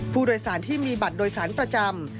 ผู้โดยสารที่มีบัตรโดยสารประจำ